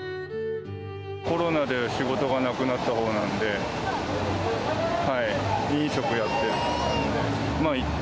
コロナで仕事がなくなったほうなんで、飲食やっていて。